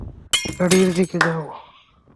গাড়ির দিকে যাও।